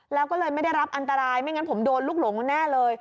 แล้วก็เลยไม่ได้รับอันตรายไม่งั้นผมโดนลูกหลงแน่เลย